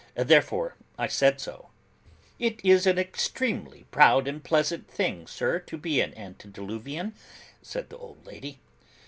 Therefore I said so. 'It is an extremely proud and pleasant thing, sir, to be an antediluvian,' said the old lady.